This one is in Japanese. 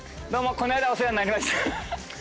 この間はお世話になりました。